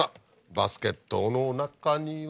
バスケットの中には